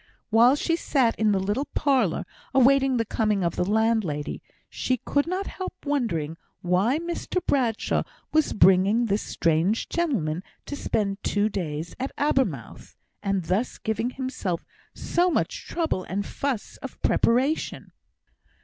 While she sat in the little parlour, awaiting the coming of the landlady, she could not help wondering why Mr Bradshaw was bringing this strange gentleman to spend two days at Abermouth, and thus giving himself so much trouble and fuss of preparation.